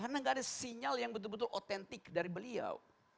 karena gak ada sinyal yang betul betul otentik dari beliau